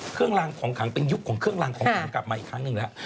เครื่องรางของขังเป็นยุคของเครื่องรางของขังกลับมาอีกครั้งหนึ่งแล้ว